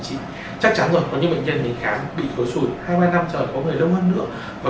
trị chắc chắn rồi có những bệnh nhân đến khám bị khối xùi hai ba năm trời có người lâu hơn nữa và